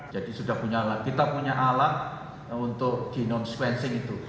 jadi sudah punya alat kita punya alat untuk jinos sequencing itu